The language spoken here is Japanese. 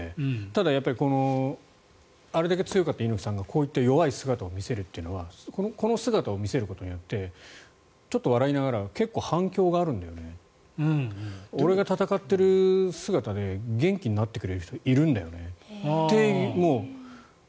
ただ、やっぱりあれだけ強かった猪木さんがこういった弱い姿を見せるというのはこの姿を見せることによってちょっと笑いながら結構、反響があるんだよね俺が闘っている姿で元気になってくれる人がいるんだよねって。